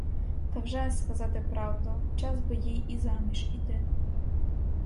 Та вже, сказати правду, час би їй і заміж іти.